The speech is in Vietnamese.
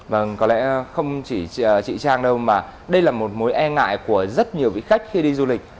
vâng có lẽ không chỉ chị trang đâu mà đây là một mối e ngại của rất nhiều vị khách khi đi du lịch